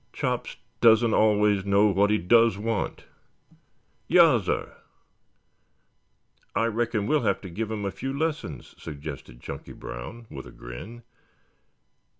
"Chops doesn't always know what he does want." "Yassir." "I reckon we'll have to give him a few lessons," suggested Chunky Brown with a grin.